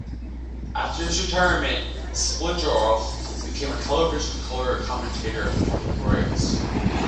After his retirement, Splittorff became a television color commentator for the Royals.